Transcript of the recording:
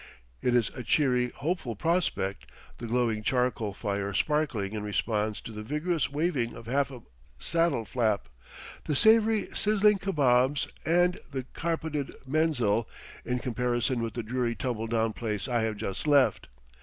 It is a cheery, hopeful prospect, the glowing charcoal fire sparkling in response to the vigorous waving of half a saddle flap, the savory, sizzling kabobs and the carpeted menzil, in comparison with the dreary tumble down place I have just left.